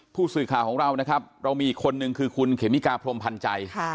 ผู้สืบข่าวของเรานะครับเรามีคนหนึ่งคือคุณเขมรามิกาพรมพันธัย